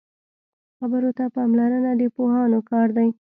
خبرو ته پاملرنه د پوهانو کار دی